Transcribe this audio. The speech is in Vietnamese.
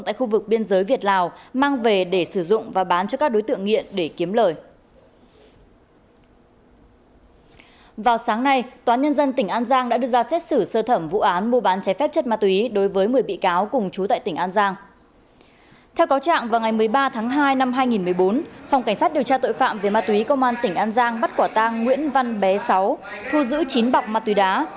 theo cáo trạng vào ngày một mươi ba tháng hai năm hai nghìn một mươi bốn phòng cảnh sát điều tra tội phạm về ma túy công an tỉnh an giang bắt quả tang nguyễn văn bé sáu thu giữ chín bọc ma túy đá